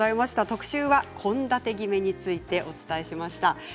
特集は献立ぎめについてお伝えしました。